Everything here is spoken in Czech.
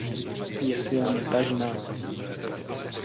Je silně tažná.